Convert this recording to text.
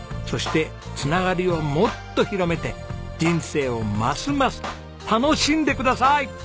そして繋がりをもっと広めて人生をますます楽しんでください！